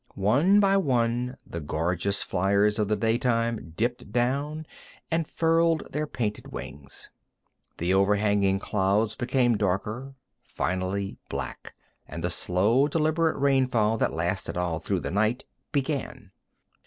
One by one the gorgeous fliers of the daytime dipped down and furled their painted wings. The overhanging clouds became darker finally black, and the slow, deliberate rainfall that lasted all through the night began.